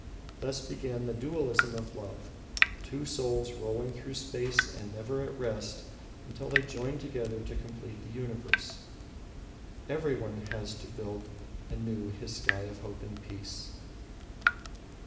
Thus began the dualism of love two souls rolling through space and never at rest until they join together to complete the universe. Everyone has to build anew his sky of hope and peace.